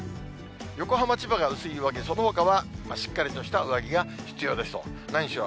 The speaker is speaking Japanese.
横浜、千葉が薄い上着、そのほかはしっかりとした上着が必要でしょう、何しろ